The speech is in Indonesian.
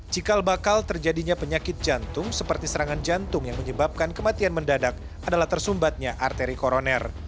cikal bakal terjadinya penyakit jantung seperti serangan jantung yang menyebabkan kematian mendadak adalah tersumbatnya arteri koroner